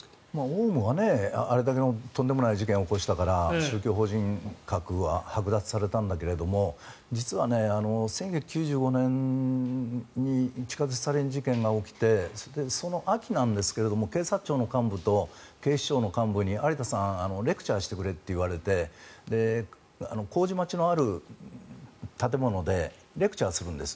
オウムはあれだけのとんでもない事件を起こしたから宗教法人格ははく奪されたんだけれども実は１９９５年に地下鉄サリン事件が起きてその秋なんですが警察庁の幹部と警視庁の幹部に、有田さんレクチャーしてくれと言われて麹町のある建物でレクチャーをするんです。